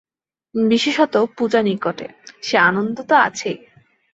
বিশেষত পূজা নিকটে, সে আনন্দ তো আছেই।